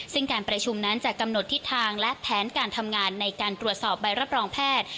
ซึ่งการประชุมนั้นจะกำหนดทิศทางและแผนการทำงานในการตรวจสอบใบรับรองแพทย์